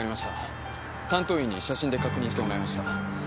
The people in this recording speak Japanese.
担当医に写真で確認してもらいました。